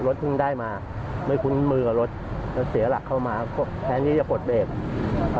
เพิ่งได้มาไม่คุ้นมือกับรถแล้วเสียหลักเข้ามาแทนที่จะปลดเบรกอ่า